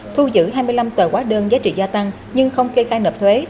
thu giữ hai mươi năm tờ hóa đơn giá trị gia tăng nhưng không kê khai nộp thuế